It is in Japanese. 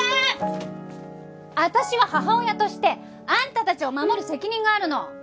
私は母親としてあんたたちを守る責任があるの。